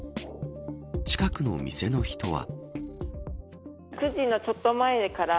近くの店の人は。